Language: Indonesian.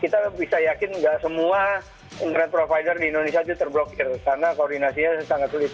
kita bisa yakin nggak semua internet provider di indonesia itu terblokir karena koordinasinya sangat sulit